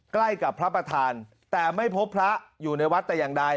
ใกล้กับพระประธานแต่ไม่พบพระอยู่ในวัดแต่อย่างใด